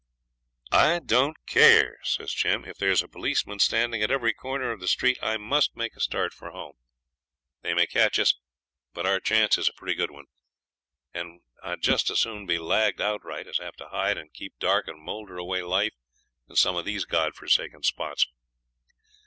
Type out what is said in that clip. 'I don't care,' says Jim, 'if there's a policeman standing at every corner of the street, I must make a start for home. They may catch us, but our chance is a pretty good one; and I'd just as soon be lagged outright as have to hide and keep dark and moulder away life in some of these God forsaken spots.'